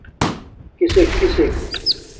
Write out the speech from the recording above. کِسݵک کِسݵک؟